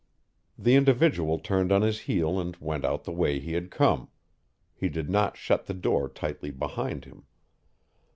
The individual turned on his heel and went out the way he had come. He did not shut the door tightly behind him.